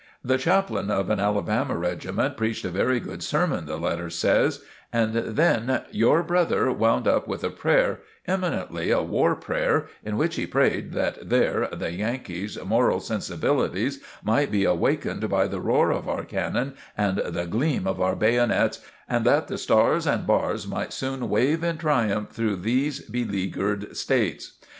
The chaplain of an Alabama regiment preached a very good sermon, the letter says, and then "your brother wound up with a prayer eminently a war prayer in which he prayed that their (the Yankees') moral sensibilities might be awakened by the 'roar of our cannon and the gleam of our bayonets and that the stars and bars might soon wave in triumph through these beleagured states!'